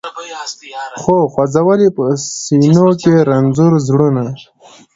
خو ځول یې په سینو کي رنځور زړونه